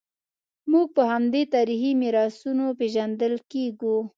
موږ په همدې تاریخي میراثونو پېژندل کېږو.